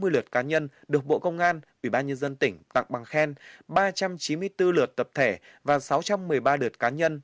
bảy trăm sáu mươi lượt cá nhân được bộ công an ubnd tặng bằng khen ba trăm chín mươi bốn lượt tập thể và sáu trăm một mươi ba lượt cá nhân